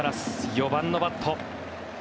４番のバット。